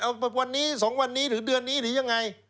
เอาวันนี้๒วันนี้หรือเดือนนี้หรือยังไง